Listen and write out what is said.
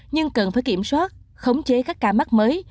nhưng cần phải kiểm soát khống chế các ca mắc mới